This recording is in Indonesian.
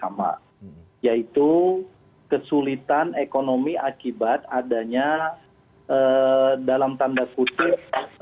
yaitu kesulitan ekonomi akibat adanya dalam tanda kutip